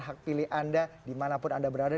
hak pilih anda dimanapun anda berada